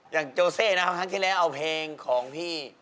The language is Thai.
โจเซ่นะครับครั้งที่แล้วเอาเพลงของพี่